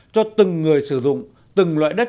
cho từng người sử dụng từng loại đất